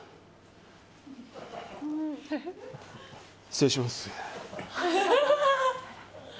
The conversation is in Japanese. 失礼します。